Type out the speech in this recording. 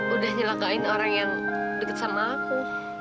udah nyelakain orang yang deket sama aku